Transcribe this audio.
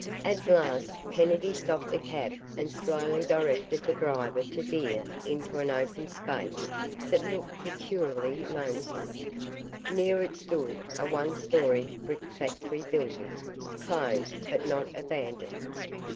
At last Kennedy stopped the cab and slowly directed the driver to veer into an open space that looked peculiarly lonesome. Near it stood a one story brick factory building, closed, but not abandoned.